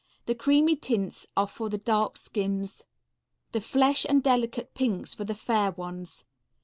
The creamy tints are for the dark skins, the flesh and delicate pinks for the fair ones.